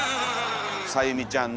さゆみちゃんね。